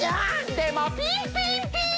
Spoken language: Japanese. でもピンピンピン！